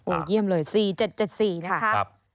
โอ้เยี่ยมเลย๔๗๔นะครับ